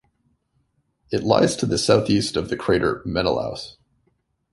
It lies to the southeast of the crater Menelaus.